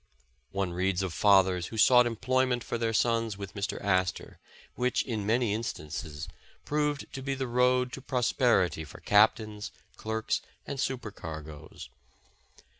One reads of fathers who sought employment for their sons with Mr. Astor, which, in many instances, proved to be the road to prosperity for captains, clerks, and supercargoes.